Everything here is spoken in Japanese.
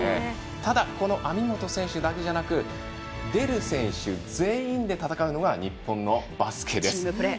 ただ、網本選手だけでなく出る選手全員で戦うのが日本のバスケです。